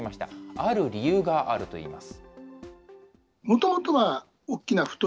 ある理由があるといいます。